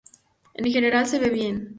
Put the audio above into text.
En general, se ve bien".